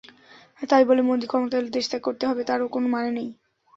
তাই বলে মোদি ক্ষমতায় এলে দেশত্যাগ করতে হবে, তারও কোনো মানে নেই।